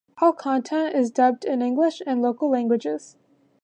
All content is dubbed in English and local languages.